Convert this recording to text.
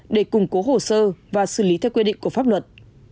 để củng cố hồ sơ và xử lý theo quy định của pháp luật